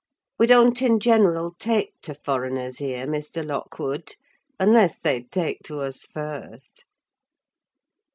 We don't in general take to foreigners here, Mr. Lockwood, unless they take to us first.